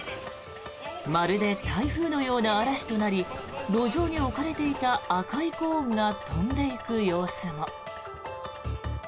まるで台風のような嵐となり路上に置かれていた赤いコーンが飛んでいく様子も。